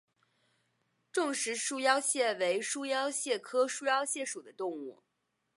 重石束腰蟹为束腹蟹科束腰蟹属的动物。